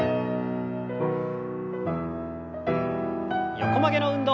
横曲げの運動。